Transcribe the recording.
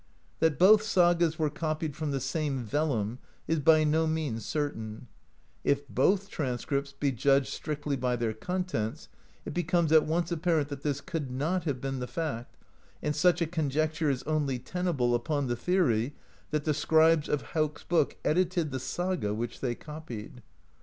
That both sagas were copied from the same vellum is by no means certain; if both tran scripts be judged strictly by their contents it becomes at once apparent that this could not have been the fact, and such a conjecture is only tenable upon the theory that the scribes of Hauk's Book edited the saga which they copied.